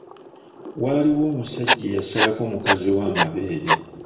Waliwo omusajja eyasalako mukazi we amabeere!